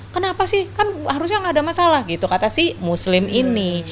kenapa sih kan harusnya nggak ada masalah gitu kata si muslim ini